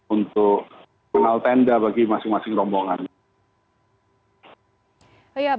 untuk mengenal tenda bagi masing masing rombongan